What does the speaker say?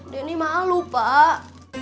denny malu pak